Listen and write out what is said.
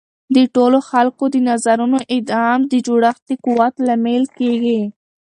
د ټولو خلکو د نظرونو ادغام د جوړښت د قوت لامل کیږي.